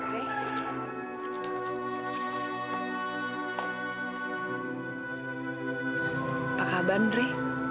apa kabar neri